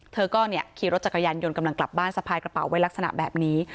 เธอก็ขี่รถจักรยานยนต์กำลังกลับบ้านสะพายกระเป๋าไว้ลักษณะแบบนี้